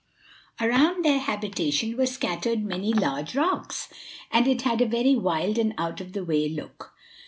Around their habitation were scattered many large rocks, and it had a very wild and out of the way look.